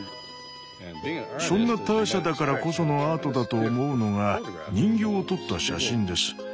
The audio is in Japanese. そんなターシャだからこそのアートだと思うのが人形を撮った写真です。